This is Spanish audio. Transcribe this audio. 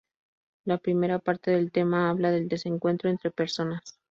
La primera parte del tema habla del desencuentro entre personas.